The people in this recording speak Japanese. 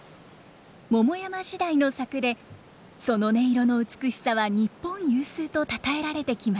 桃山時代の作でその音色の美しさは日本有数とたたえられてきました。